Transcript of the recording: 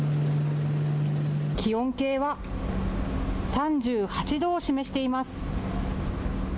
気温計は３８度を示しています。